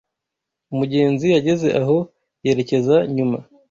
Umugenzi yageze aho yerekeza nyuma